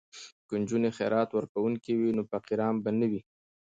که نجونې خیرات ورکوونکې وي نو فقیران به نه وي.